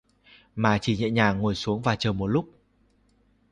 Mà chỉ nhẹ nhàng ngồi xuống và chờ một lúc